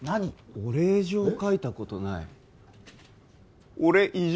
お礼状書いたことない俺異常？